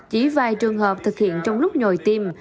chỉ vài trường hợp thực hiện trong lúc nhồi tim